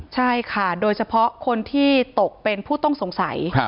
ใช่ค่ะโดยเฉพาะคนที่ตกเป็นผู้ต้องสงสัย